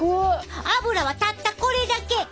脂はたったこれだけ。